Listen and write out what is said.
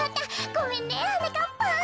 ごめんねはなかっぱん。